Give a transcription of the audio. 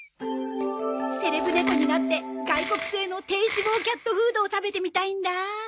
セレブ猫になって外国製の低脂肪キャットフードを食べてみたいんだ。